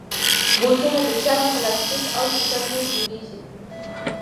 بوټونه د چرم، پلاسټیک، او ټوکر نه جوړېږي.